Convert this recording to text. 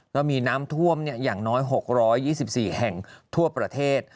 ก็มีน้ำท่วมอย่างน้อย๖๒๔แห่งทั่วประเทศ